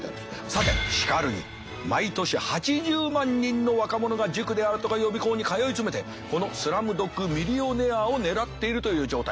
さてしかるに毎年８０万人の若者が塾であるとか予備校に通い詰めてこのスラムドッグミリオネアを狙っているという状態です。